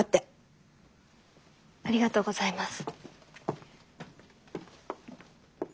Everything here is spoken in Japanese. ありがとうございます。